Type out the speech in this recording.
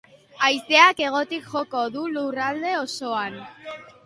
Haizeak hegotik joko du lurralde osoan.